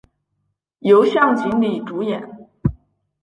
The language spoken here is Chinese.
由向井理主演。